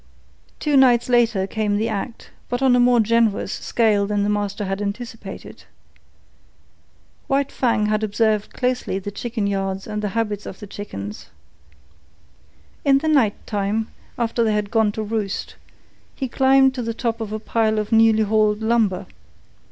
Two nights later came the act, but on a more generous scale than the master had anticipated. White Fang had observed closely the chicken yards and the habits of the chickens. In the night time, after they had gone to roost, he climbed to the top of a pile of newly hauled lumber.